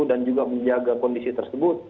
dan juga menjaga kondisi tersebut